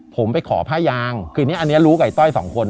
ผมไปขอผ้ายางคือนี้ลูกกับไอ้ต้อย๒คน